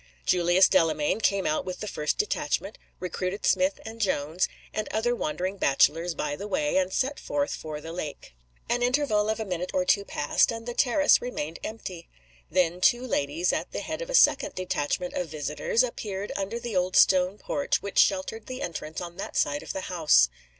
Julius Delamayn came out with the first detachment, recruited Smith and Jones, and other wandering bachelors, by the way, and set forth for the lake. An interval of a minute or two passed and the terrace remained empty. Then two ladies at the head of a second detachment of visitors appeared under the old stone porch which sheltered the entrance on that side of the house.